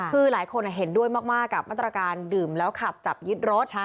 คือหลายคนเห็นด้วยมากกับมาตรการดื่มแล้วขับจับยึดรถ